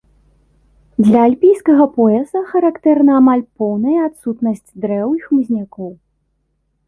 Для альпійскага пояса характэрна амаль поўная адсутнасць дрэў і хмызнякоў.